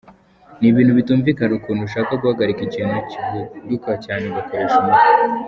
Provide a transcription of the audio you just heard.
"Ni ibintu bitumvikana ukuntu ushaka guhagarika ikintu kivuduka cyane ugakoresha umutwe.